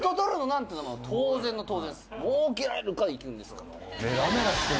もうけられるかでいくんですから。